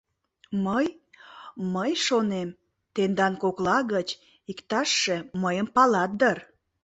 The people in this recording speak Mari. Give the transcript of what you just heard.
Мый... мый шонем, тендан кокла гыч иктажше мыйым палат дыр.